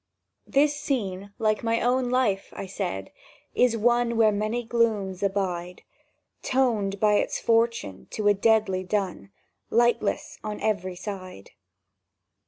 "This scene, like my own life," I said, "is one Where many glooms abide; Toned by its fortune to a deadly dun— Lightless on every side.